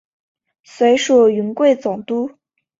随署云贵总督。